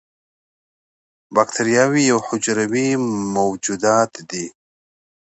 بکتریاوې یو حجروي موجودات دي